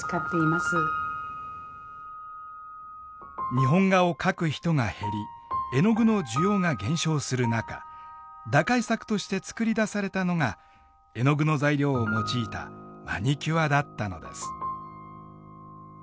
日本画を描く人が減り絵の具の需要が減少する中打開策として作り出されたのが絵の具の材料を用いたマニキュアだったのです。